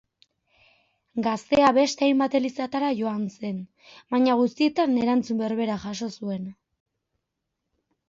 Gaztea beste hainbat elizatara joan zen, baina guztietan erantzun berbera jaso zuen.